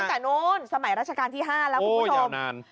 ตั้งแต่นู้นสมัยราชการที่๕แล้วคุณผู้ชม